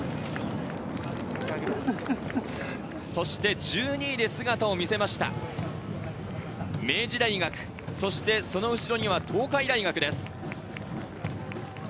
１２位で姿を見せました明治大学、その後ろには東海大学です。